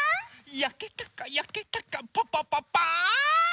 やけたかやけたかパパパパーン！